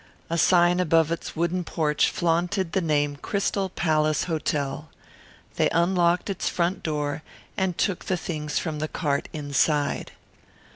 A sign above its wooden porch flaunted the name Crystal Palace Hotel. They unlocked its front door and took the things from the cart inside.